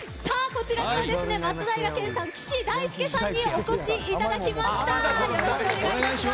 松平健さん岸大介さんにお越しいただきました。